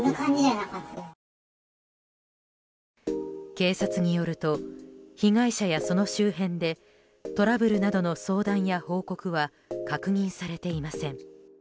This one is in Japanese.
警察によると被害者や、その周辺でトラブルなどの相談や報告は確認されていません。